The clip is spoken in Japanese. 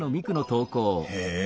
へえ